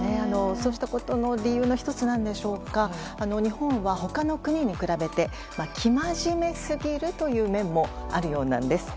そうしたことの理由の１つなんでしょうか日本は他の国に比べて生真面目すぎるという面もあるようなんです。